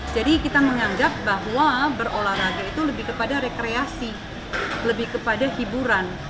jadi kita menganggap bahwa berolahraga itu lebih kepada rekreasi lebih kepada hiburan